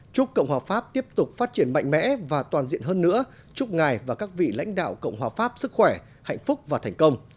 chúc cộng hòa pháp tiếp tục phát triển mạnh mẽ và toàn diện hơn nữa chúc ngài và các vị lãnh đạo cộng hòa pháp sức khỏe hạnh phúc và thành công